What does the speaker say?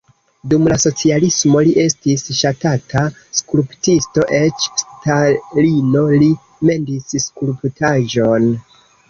Dum la socialismo li estis ŝatata skulptisto, eĉ Stalino li mendis skulptaĵon.